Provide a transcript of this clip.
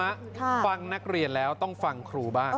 เอาล่ะคุณผู้ชมฟังนักเรียนแล้วต้องฟังครูบ้าง